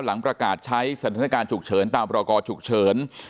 หลังประกาศใช้สถานการณ์ฉุกเฉินตามประกอฉุกเฉิน